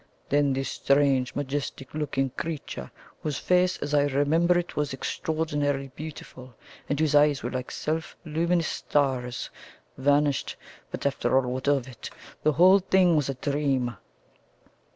Then this Strange majestic looking creature, whose face, as I remember it, was extraordinarily beautiful, and whose eyes were like self luminous stars, vanished. But, after all, what of it? The whole thing was a dream."